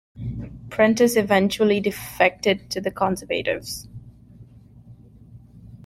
Prentice eventually defected to the Conservatives.